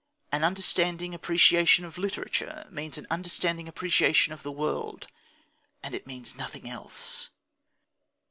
An understanding appreciation of literature means an understanding appreciation of the world, and it means nothing else.